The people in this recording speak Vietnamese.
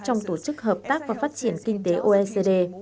trong tổ chức hợp tác và phát triển kinh tế oecd